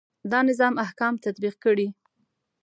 دا نظام احکام تطبیق کړي.